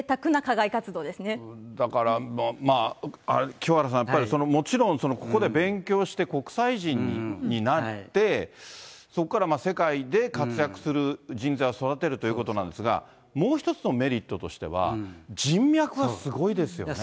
だから、清原さん、やっぱりもちろん、ここで勉強して、国際人になって、そこから世界で活躍する人材を育てるということなんですが、もう一つのメリットとしては、人脈がすごいですよね。